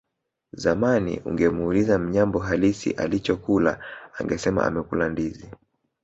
Zamani ungemuuliza Mnyambo halisi alichokula angesema amekula ndizi